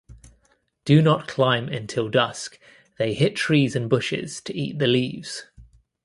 Do not climb until dusk they hit trees and bushes to eat the leaves.